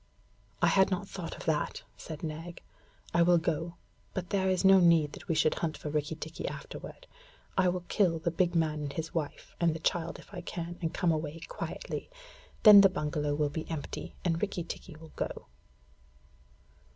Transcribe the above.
I had not thought of that,' said Nag. 'I will go, but there is no need that we should hunt for Rikki tikki afterward. I will kill the big man and his wife, and the child if I can, and come away quietly. Then the bungalow will be empty, and Rikki tikki will go.'